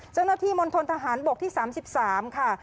จังหน้าที่มณฑนทหารบกที่๓๓ค่ะ